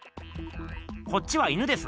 こっちは犬です。